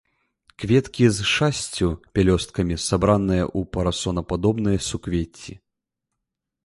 Кветкі з шасцю пялёсткамі, сабраныя ў парасонападобныя суквецці.